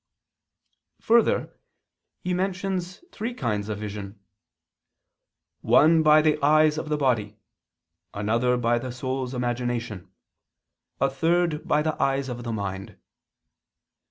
Further, he mentions three kinds of vision; "one by the eyes of the body, another by the soul's imagination, a third by the eyes of the mind."